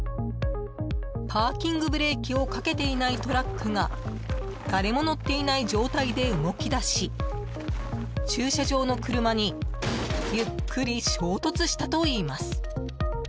パーキングブレーキをかけていないトラックが誰も乗っていない状態で動き出し駐車場の車にゆっくり衝突したといいます。